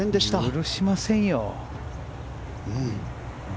許しませんよ。